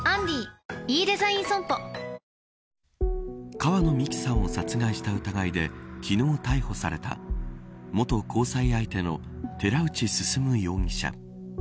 川野美樹さんを殺害した疑いで昨日逮捕された元交際相手の寺内進容疑者。